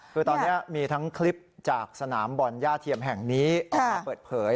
คือตอนนี้มีทั้งคลิปจากสนามบอลย่าเทียมแห่งนี้ออกมาเปิดเผย